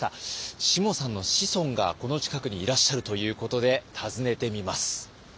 しもさんの子孫がこの近くにいらっしゃるということで訪ねてみます。